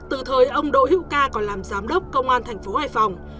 từ thời ông đỗ hữu ca còn làm giám đốc công an thành phố hải phòng